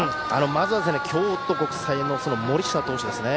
まずは京都国際の森下投手ですね。